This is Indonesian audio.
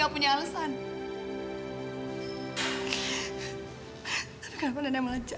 yaudah yuk tante begitu ya